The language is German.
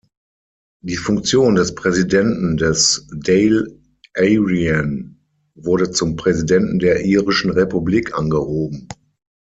Die Funktion des "Präsidenten des Dáil Éireann" wurde zum "Präsidenten der irischen Republik" angehoben.